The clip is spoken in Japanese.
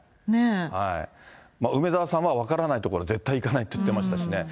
梅沢さんは分からないところは絶対行かないって言ってましたしね。